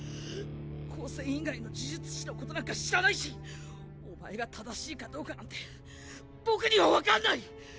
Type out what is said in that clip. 高専以外の呪術師のことなんか知らないしお前が正しいかどうかなんて僕には分かんない！